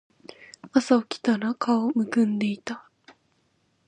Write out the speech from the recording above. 朝起きたら顔浮腫んでいた